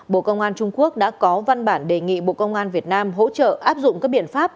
bộ công an trung quốc đã có văn bản đề nghị bộ công an việt nam hỗ trợ áp dụng các biện pháp